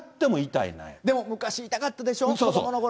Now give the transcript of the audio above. でも昔痛かったでしょ？